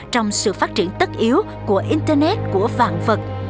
trong sự phát triển tất yếu của internet của vạn vật